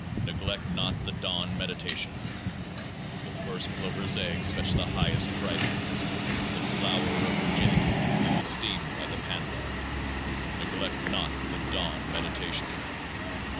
Neglect not the dawn meditation ! The first plovers' eggs fetch the highest prices ; the flower of virginity is esteemed by the pandar. Neglect not the dawn meditation